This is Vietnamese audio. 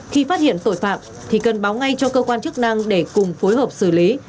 khi phát hiện tội phạm thì cần báo ngay cho cơ quan chức năng để cùng phối hợp xử lý